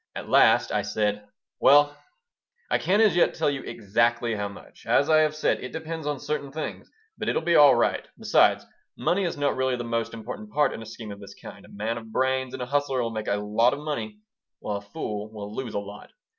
At last I said: "Well, I can't as yet tell you exactly how much. As I have said, it depends on certain things, but it'll be all right. Besides, money is really not the most important part in a scheme of this kind. A man of brains and a hustler will make a lot of money, while a fool will lose a lot.